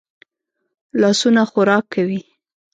لاسونه خوراک کوي